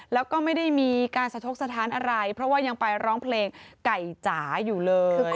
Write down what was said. แล้วก็ไม่ได้มีการสะทกสถานอะไรเพราะว่ายังไปร้องเพลงไก่จ๋าอยู่เลย